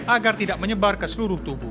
agar tidak menyebar keseluruh tubuh